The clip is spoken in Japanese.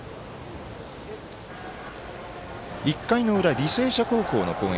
１回の裏、履正社高校の攻撃。